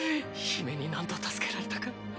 姫に何度助けられたか。